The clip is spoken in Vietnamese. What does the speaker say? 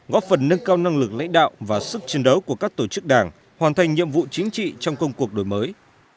góp phần nâng cao năng lực lãnh đạo và sức chiến đấu của các tổ chức đảng hoàn thành nhiệm vụ chính trị trong công cuộc đổi mới